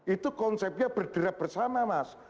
itu konsepnya bergerak bersama mas